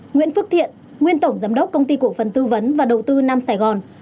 nguyễn phước thiện nguyên tổng giám đốc công ty cổ phần tư vấn và đầu tư nam sài gòn